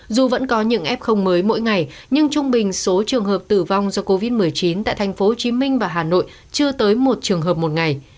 dù vẫn có những f mới mỗi ngày nhưng trung bình số trường hợp tử vong do covid một mươi chín tại thành phố hồ chí minh và hà nội chưa tới một trường hợp một ngày